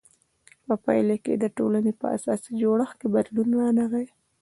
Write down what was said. په پایله کې د ټولنې په اساسي جوړښت کې بدلون رانغی.